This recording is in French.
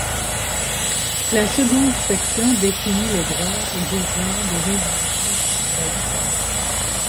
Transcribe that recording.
La seconde section définit les droits et devoirs des individus et citoyens.